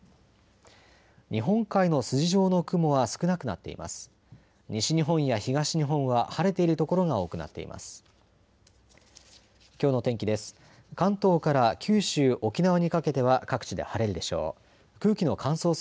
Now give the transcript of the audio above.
日本海の筋状の雲は少なくなっています。